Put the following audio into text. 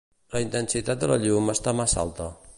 La intensitat de la llum està massa alta.